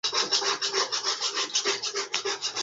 Katika miongo iliyofuata Marekani ilitwaa maeneo yaliyowahi